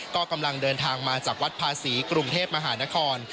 ก็กำลังเดินทางมาจากวัดภาษีกรุงเทพมหานคร